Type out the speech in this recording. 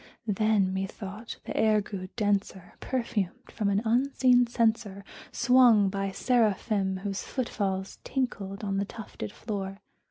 Then, methought, the air grew denser, perfumed from an unseen censer Swung by seraphim whose foot falls tinkled on the tufted floor.